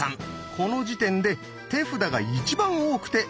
この時点で手札が一番多くて６枚。